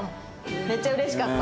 めっちゃ嬉しかった。